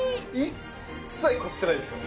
一切こすってないですよ。